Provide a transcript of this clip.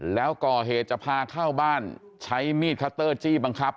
แล้วก่อเหตุจะพาเข้าบ้านใช้มีดคัตเตอร์จี้บังคับ